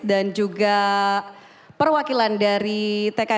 dan juga perwakilan dari tkn satu pak wayu